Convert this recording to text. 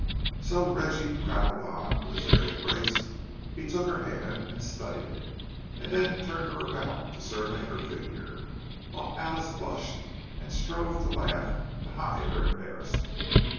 So Reggie prattled on, with his airy grace; he took her hand and studied it, and then turned her about to survey her figure, while Alice blushed and strove to laugh to hide her embarrassment.